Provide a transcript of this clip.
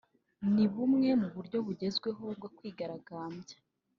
ni bumwe mu buryo bugezweho bwo kwigaragambya